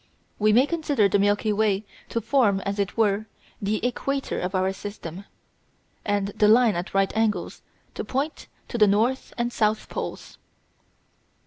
We may consider the Milky Way to form, as it were, the equator of our system, and the line at right angles to point to the north and south poles.